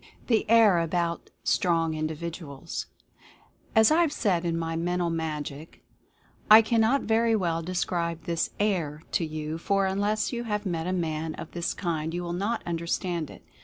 THE "AIR ABOUT" STRONG INDIVIDUALS. As I have said in my "Mental Magic:" "I cannot very well describe this 'air' to you, for unless you have met a man of this kind you will not understand it.